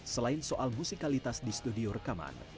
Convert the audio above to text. selain soal musikalitas di studio rekaman